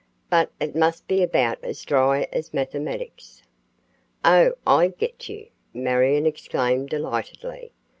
But it must be about as dry as mathematics." "Oh, I get you," Marion exclaimed delightedly.